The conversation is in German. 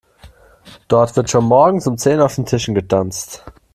Dort wird schon morgens um zehn auf den Tischen getanzt.